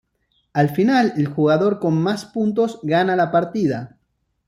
Al final, el jugador con más puntos gana la partida.